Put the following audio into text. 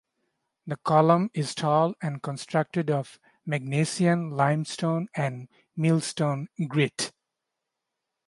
The column is tall and constructed of Magnesian Limestone and millstone grit.